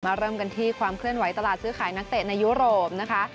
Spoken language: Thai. เริ่มกันที่ความเคลื่อนไหตลาดซื้อขายนักเตะในยุโรปนะคะ